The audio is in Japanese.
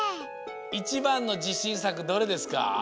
いちばんのじしんさくどれですか？